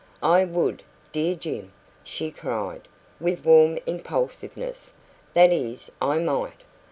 "I would, dear Jim!" she cried, with warm impulsiveness; "that is, I might.